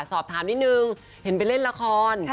สอบถามนิดนึงเห็นไปเล่นละคร